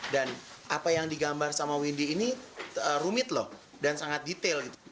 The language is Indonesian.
dan apa yang digambar sama windy ini rumit lho dan sangat detail